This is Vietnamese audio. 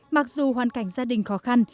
mặc dù hoàn cảnh gia đình khó khăn